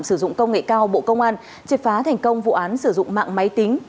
sử dụng công nghệ cao bộ công an triệt phá thành công vụ án sử dụng mạng máy tính